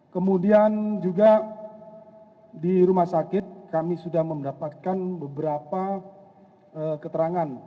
kemudian juga di rumah sakit kami sudah mendapatkan beberapa keterangan